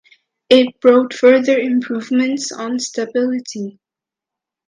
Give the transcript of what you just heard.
It brought further improvements on stability.